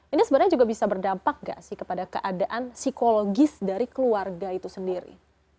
ini sebenarnya juga bisa berdampak nggak sih kepada keadaan psikologis dari keluarga itu sendiri